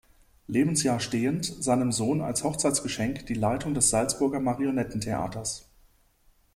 Lebensjahr stehend, seinem Sohn als Hochzeitsgeschenk die Leitung des Salzburger Marionettentheaters.